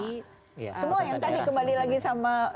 semua yang tadi kembali lagi sama